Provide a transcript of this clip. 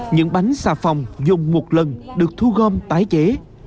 những bánh xà phòng dùng một lần được thu gom tái chế